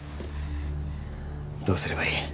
どうすればいい？